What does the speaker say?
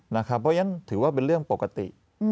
เพราะฉะนั้นถือว่าเป็นเรื่องปกติ